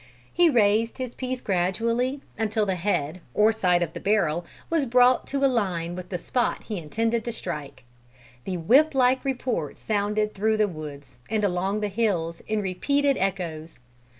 He raised his piece gradually, until the head, or sight of the barrel, was brought to a line with the spot he intended to strike. The whip like report resounded through the woods, and along the hills, in repeated echoes.